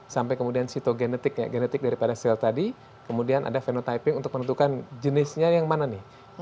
sampai kemudian sitogenetiknya genetik daripada sel tadi kemudian ada venotyping untuk menentukan jenisnya yang mana nih